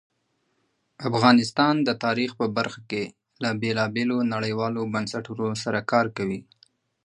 افغانستان د تاریخ په برخه کې له بېلابېلو نړیوالو بنسټونو سره کار کوي.